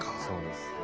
そうです。